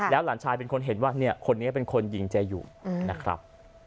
หลานชายเป็นคนเห็นว่าเนี่ยคนนี้เป็นคนยิงเจอยู่นะครับ